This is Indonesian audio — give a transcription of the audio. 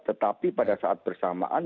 tetapi pada saat bersamaan